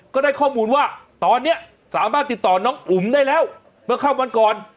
ก็ได้ข้อมูลว่าตอนนี้สามารถติดต่อน้องอุ๋มได้แล้วเมื่อข้ามวันก่อน